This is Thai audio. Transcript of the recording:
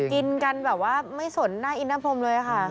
กินกันแบบว่าไม่สนหน้าอินหน้าพรมเลยค่ะ